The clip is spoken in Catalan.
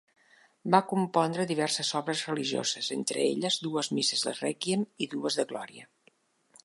Va compondre diverses obres religioses, entre elles dues misses de Rèquiem i dues de Glòria.